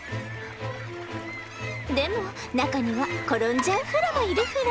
でも中には転んじゃうフラもいるフラ。